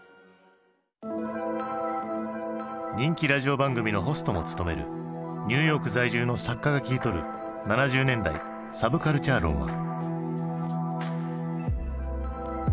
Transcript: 人気ラジオ番組のホストも務めるニューヨーク在住の作家が切り取る７０年代サブカルチャー論は？